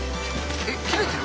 えっ切れてる？